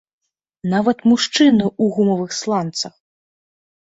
Нават мужчыны ў гумавых сланцах!